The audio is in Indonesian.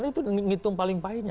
kan itu menghitung paling pahitnya